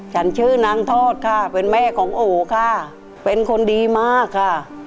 ฉันชื่อนางทอดค่ะเป็นแม่ของโอค่ะเป็นคนดีมากค่ะ